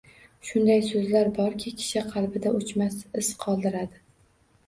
Shunday so’zlar borki, kishi qalbida o’chmas iz qoldiradi.